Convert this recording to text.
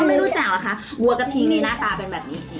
ไม่รู้จักเหรอคะวัวกระทิงนี้หน้าตาเป็นแบบนี้